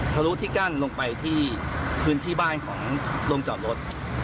ทะลุที่กั้นลงไปที่พื้นที่บ้านของโรงจอดรถ